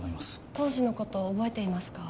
当時のことを覚えていますか？